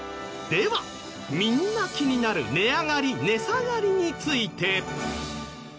ではみんな気になる値上がり値下がりについて。